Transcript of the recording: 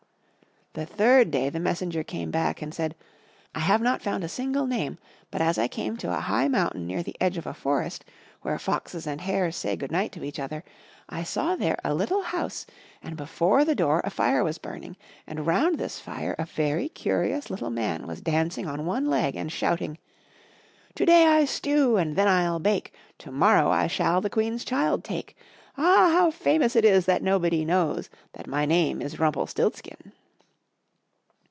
The third day the messenger came back and said, "I have not found a single name; but as I came to a high mountain near the edge of a forest, where foxes and hares say good night to each other, I saw there a little house, and before the door a fire was burning, and round this fire a very curious little Man was dancing on one leg, and shouting: "'To day I stew, and then I'll bake, To morrow I shall the Queen's child take; Ah! how famous it is that nobody knows That my name is Rumpelstiltskin.'"